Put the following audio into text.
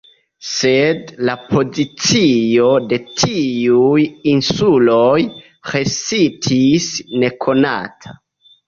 Sed la pozicio de tiuj insuloj restis nekonata.